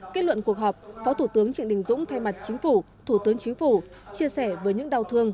kết luận cuộc họp phó thủ tướng trịnh đình dũng thay mặt chính phủ thủ tướng chính phủ